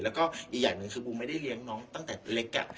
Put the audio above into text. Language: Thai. แล้วก็อีกอย่างหนึ่งคือบูมไม่ได้เลี้ยงน้องตั้งแต่เล็ก